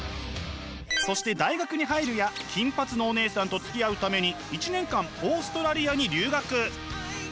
そして大学に入るや金髪のおねえさんとつきあうために１年間オーストラリアに留学！